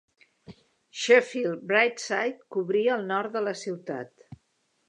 Sheffield Brightside cobria el nord de la ciutat.